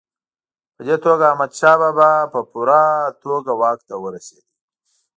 په دې توګه احمدشاه بابا په پوره توګه واک ته ورسېد.